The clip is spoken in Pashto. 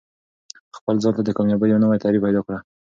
خپل ځان ته د کامیابۍ یو نوی تعریف پیدا کړه.